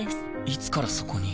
いつからそこに？